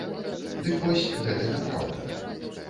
Дык вось, гэта няпраўда.